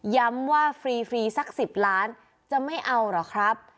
ย้ำว่าฟรีสัก๑๐ล้านจะไม่เอาเหรอครับ